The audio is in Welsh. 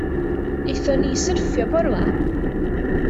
Aethon ni i syrffio bora 'ma.